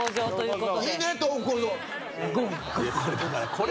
これ。